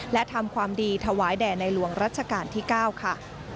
และทำความดีถวายแด่ในหลวงรัชกาลที่๙ค่ะ